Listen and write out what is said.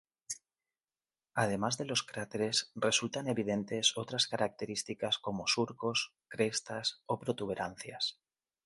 Además de los cráteres, resultan evidentes otras características como surcos, crestas o protuberancias.